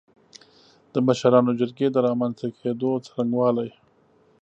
د مشرانو جرګې د رامنځ ته کېدو څرنګوالی